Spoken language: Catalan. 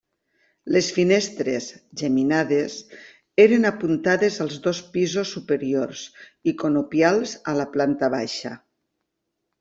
Les finestres, geminades, eren apuntades als dos pisos superiors i conopials a la planta baixa.